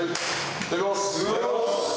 いただきます。